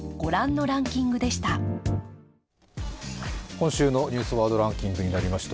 今週の「ニュースワードランキング」となりました。